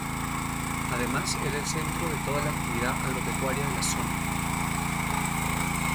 Además era el centro de toda la actividad agropecuaria de la zona.